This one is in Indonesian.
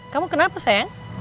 kamu kenapa sayang